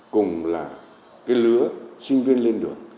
cùng là cái lứa sinh viên lên đường